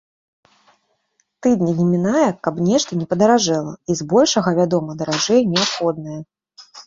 Тыдня не мінае, каб нешта не падаражэла, і збольшага, вядома, даражэе неабходнае.